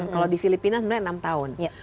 kalau di filipina sebenarnya enam tahun